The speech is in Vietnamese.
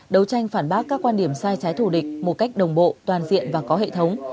đấu tranh phản bác các quan điểm sai trái thủ địch một cách đồng bộ toàn diện và có hệ thống